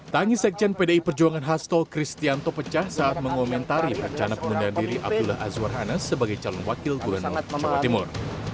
tangis sekjen pdi perjuangan hasto kristianto pecah saat mengomentari rencana pengunduhan diri abdullah azwar hana sebagai calon wakil gubernur jawa timur